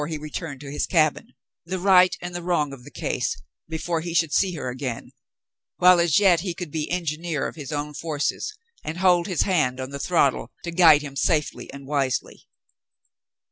he returned to his cabin — the right and the wrong of the case before he should see her again, while as yet he could be engineer of his own forces and hold his hand on the throttle to guide himself safely and wisely.